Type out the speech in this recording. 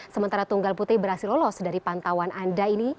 sementara tunggal putri berhasil lolos dari pantauan anda ini